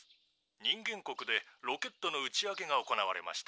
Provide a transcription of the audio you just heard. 人間国でロケットの打ち上げが行われました」。